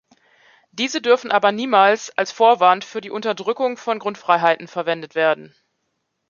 Diese dürfen aber niemals als Vorwand für die Unterdrückung von Grundfreiheiten verwendet werden.